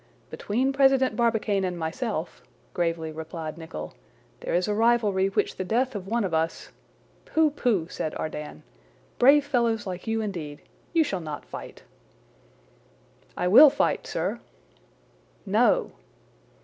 "Between President Barbicane and myself," gravely replied Nicholl, "there is a rivalry which the death of one of us—" "Pooh, pooh!" said Ardan. "Brave fellows like you indeed! you shall not fight!" "I will fight, sir!" "No!"